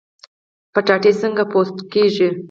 کچالو څنګه پوست کیږي؟